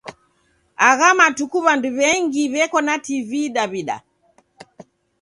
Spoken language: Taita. Agha matuku w'andu w'engi w'eko na TV Daw'ida.